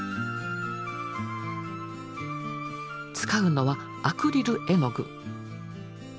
使うのはアクリル絵の具。